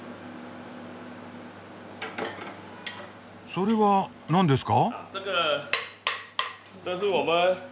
それは何ですか？